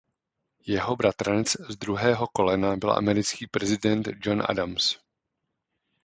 Jeho bratranec z druhého kolena byl americký prezident John Adams.